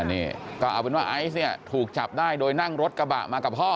นี่ก็เอาเป็นว่าไอซ์เนี่ยถูกจับได้โดยนั่งรถกระบะมากับพ่อ